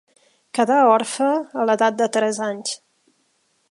Quedà orfe a l'edat de tres anys.